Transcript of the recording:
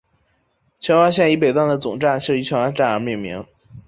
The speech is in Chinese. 荃湾线以北端的总站设于荃湾站而命名。